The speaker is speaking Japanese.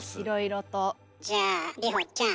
じゃあ里帆ちゃん。